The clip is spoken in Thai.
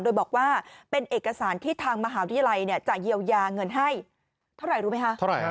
โดยบอกว่าเป็นเอกสารที่ทางมหาวิทยาลัยจะเยียวยาเงินให้เท่าไหร่รู้ไหมคะ